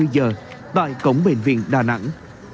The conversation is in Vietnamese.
hai mươi giờ tại cổng bệnh viện đà nẵng